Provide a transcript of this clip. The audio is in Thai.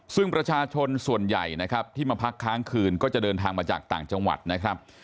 ซึ่งประชาชนส่วนใหญ่นะครับที่มาพักค้างคืนก็จะเดินทางมาจากต่างจังหวัดนะครับ